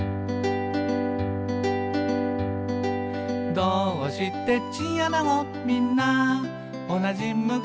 「どーうしてチンアナゴみんなおなじ向き？」